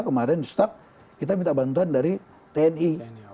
kemarin kita minta bantuan dari tni